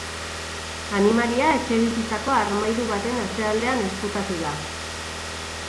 Animalia etxebizitzako armairu baten atzealdean ezkutatu da.